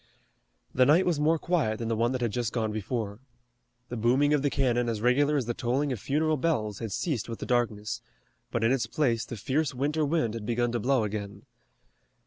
The night was more quiet than the one that had just gone before. The booming of the cannon as regular as the tolling of funeral bells had ceased with the darkness, but in its place the fierce winter wind had begun to blow again.